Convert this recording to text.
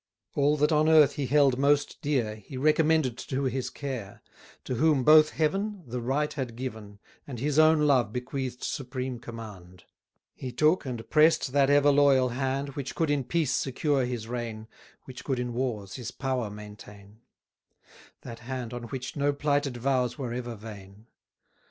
All that on earth he held most dear, He recommended to his care, To whom both Heaven, The right had given And his own love bequeathed supreme command: He took and press'd that ever loyal hand Which could in peace secure his reign, Which could in wars his power maintain, That hand on which no plighted vows were ever vain.